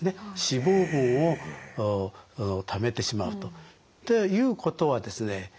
脂肪分を貯めてしまうと。ということはですね